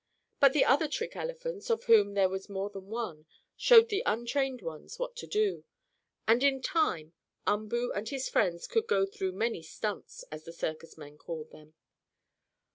But the other trick elephants, of whom there was more than one, showed the untrained ones what to do, and, in time, Umboo and his friends could go through many "stunts," as the circus men called them.